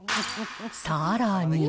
さらに。